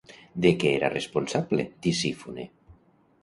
De què era responsable Tisífone?